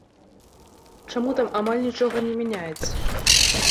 Чаму там амаль нічога не мяняецца?